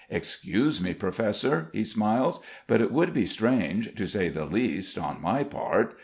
"Excuse me, Professor," he smiles, "but it would be strange, to say the least, on my part.